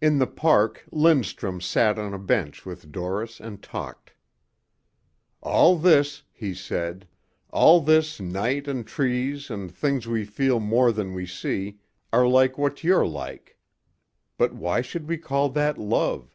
10 In the park Lindstrum sat on a bench with Doris and talked. "All this," he said, "all this night and trees and things we feel more than we see, are like what you're like. But why should we call that love.